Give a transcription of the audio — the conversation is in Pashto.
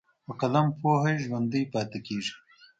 په قلم پوهه ژوندی پاتې کېږي.